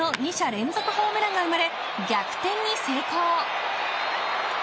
連続ホームランが生まれ逆転に成功。